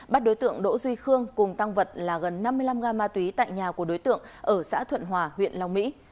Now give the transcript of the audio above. bắt đối tượng đỗ duy khương cùng tăng vật là gần năm mươi năm gam ma túy tại nhà của đối tượng ở xã thuận hòa huyện long mỹ